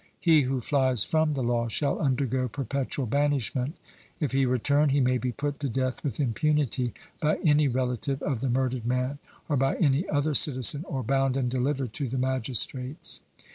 He who flies from the law shall undergo perpetual banishment; if he return, he may be put to death with impunity by any relative of the murdered man or by any other citizen, or bound and delivered to the magistrates.